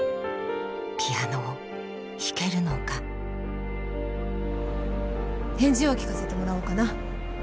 ピアノを弾けるのか返事を聞かせてもらおうかな。